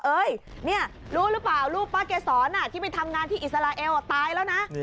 รู้หรือเปล่ารูปป้าเกษรที่ไปทำงานที่อิสราเอลตายแล้วนะ